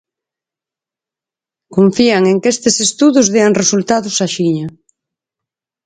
Confían en que estes estudos dean resultados axiña.